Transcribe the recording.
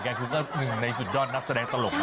คือก็หนึ่งในสุดยอดนักแสดงตลกนะ